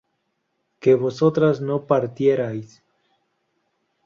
que vosotras no partierais